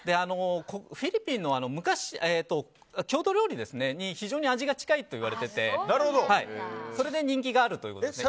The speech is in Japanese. フィリピンの郷土料理に非常に味が近いといわれててそれで人気があるということで。